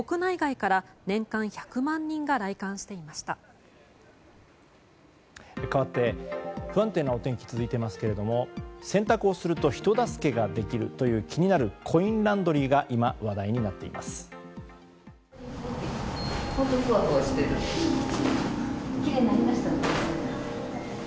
かわって、不安定なお天気が続いていますが洗濯をすると人助けができる気になるコインランドリーが今、話題になっています。